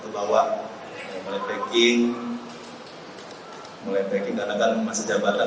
jangan sampai takutnya barang